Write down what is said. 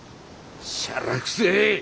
しゃらくせえ！